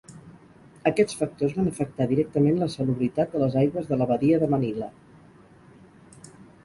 Aquests factors van afectar directament la salubritat de les aigües de la badia de Manila.